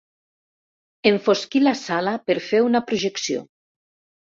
Enfosquir la sala per fer una projecció.